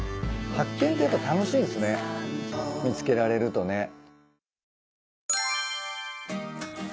発見ってやっぱ楽しいですね見つけられるとね。